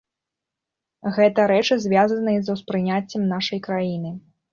Гэта рэчы, звязаныя з успрыняццем нашай краіны.